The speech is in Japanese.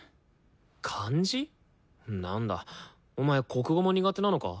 なんだお前国語も苦手なのか？